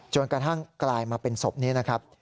จนกระทั่งกลายมาเป็นศพนี้นะครับ